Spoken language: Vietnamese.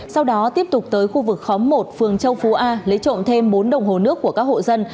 sau đó tiếp tục tới khu vực khóm một phường châu phú a lấy trộm thêm bốn đồng hồ nước của các hộ dân